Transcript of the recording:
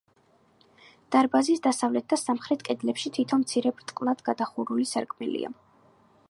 დარბაზის დასავლეთ და სამხრეთ კედლებში თითო მცირე ბრტყლად გადახურული სარკმელია.